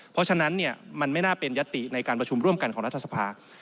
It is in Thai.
เพราะฉะนั้นเนี่ยมันไม่น่าเป็นยัตติในการประชุมร่วมกันของรัฐธรรมนุนครับ